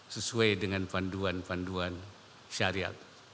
sesuai dengan panduan panduan syariat